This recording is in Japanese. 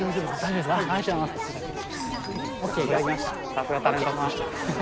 さすがタレントさん。